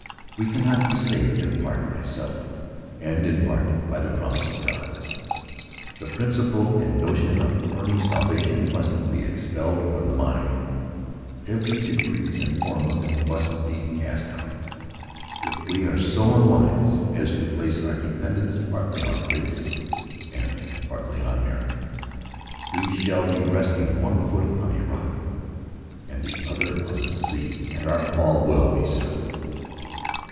We cannot be saved in part by self, and in part by the promise of God. The principle and notion of earning salvation must be expelled from the mind. Every degree and form of it must be " cast out." If we are so unwise as to place our dependence partly on grace and partly on merit, we shall be resting one foot on a rock and the other on the sea, and our fall will be certain.